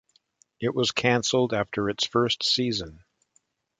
It was canceled after its first season.